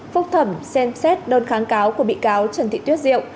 phúc thẩm xem xét đơn kháng cáo của bị cáo trần thị tuyết diệu